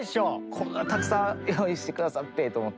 こんなたくさん用意して下さってと思って。